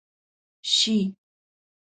شي،